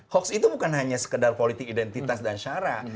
hoax itu bukan hanya sekedar politik identitas dan syarat